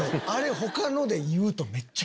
他ので言うと。